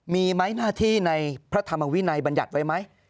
มีไหมหน้าที่ในพระธรรมวินัยบัญญัติไว้ไหม